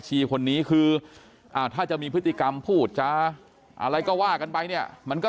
คนนี้คืออ่าถ้าจะมีพฤติกรรมพูดจะอะไรก็ว่ากันไปเนี่ยมันก็